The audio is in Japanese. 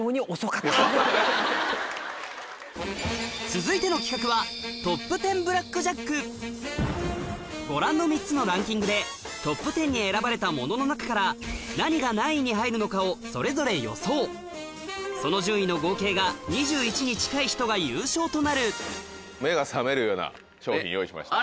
続いての企画はご覧の３つのランキングでトップ１０に選ばれたものの中からそれぞれその順位の合計が２１に近い人が優勝となる目が覚めるような賞品用意しました。